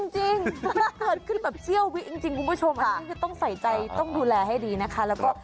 จริงขึ้นแบบเชี่ยววิจริงคุณผู้ชมค่ะต้องใส่ใจต้องดูแลให้ดีนะคะ